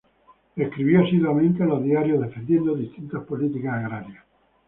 Escribió asiduamente en los diarios, defendiendo distintas políticas agrarias.